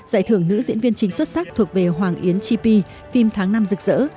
giải thưởng nữ diễn viên chính xuất sắc thuộc về hoàng yến chi phi phim tháng nam rực rỡ